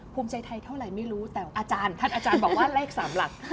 ภูมิใจไทยเท่าไรไม่รู้แต่อาจารย์บอกว่าเลข๓หลัก